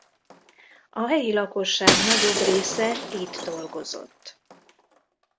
A helyi lakosság nagyobb része itt dolgozott.